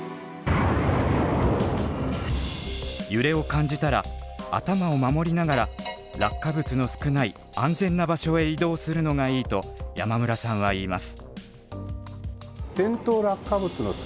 揺れを感じたら頭を守りながら落下物の少ない安全な場所へ移動するのがいいと山村さんは言います。